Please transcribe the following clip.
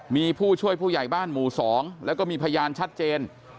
มีผู้ช่วยผู้ใหญ่บ้านหมู่๒แล้วก็มีพยานชัดเจน